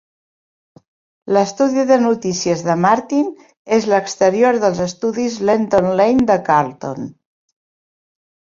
L"estudi de notícies de Martin és l"exterior dels estudis Lenton Lane de Carlton.